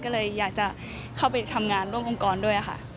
ก็เลยอยากจะเข้าไปทำงานร่วมองค์กรด้วยค่ะ